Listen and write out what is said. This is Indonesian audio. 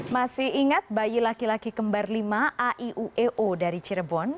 masih ingat bayi laki laki kembar lima aiueo dari cirebon